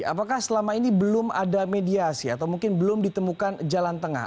apakah selama ini belum ada mediasi atau mungkin belum ditemukan jalan tengah